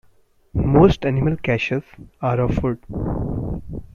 Most animal caches are of food.